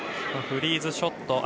フリーズショット。